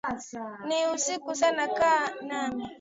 Ni usiku sana kaa nami